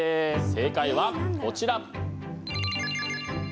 正解はこちらあ！